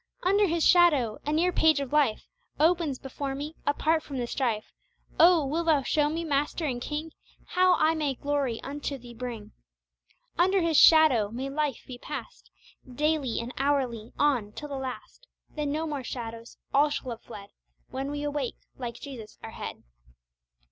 "Under His shadow," a near page of life. Opens before me, apart from the strife Oh! will Thou show me Master and King How I may glory unto Thee bring! "Under His shadow" may life be passed Daily and hourly on till the last, Then no more shadows, all shall have fled When we awake like Jesus our Head.